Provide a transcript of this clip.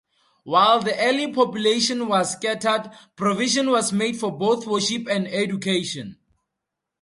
While the early population was scattered, provision was made for both worship and education.